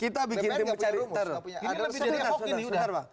kita bikin tim pencari fakta